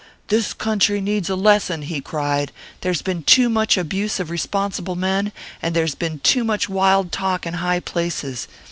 'This country needs a lesson,' he cried. 'There's been too much abuse of responsible men, and there's been too much wild talk in high places.